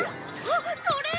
あっそれ！